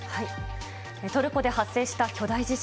トルコで発生した巨大地震。